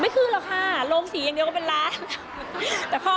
ไม่คืนหรอกค่ะลงสีอย่างเดียวก็จะเป็นรับ